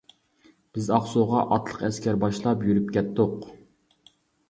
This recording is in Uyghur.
بىز ئاقسۇغا ئاتلىق ئەسكەر باشلاپ يۈرۈپ كەتتۇق.